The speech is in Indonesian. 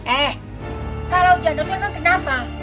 eh kalau janda itu kan kenapa